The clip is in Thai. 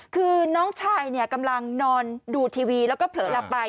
คือน้องชายกำลังนอนดูทีวีแล้วก็เผลอหลับไป